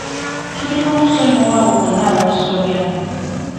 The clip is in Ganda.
Tulina okusonyiwa abo bonna abatusobya.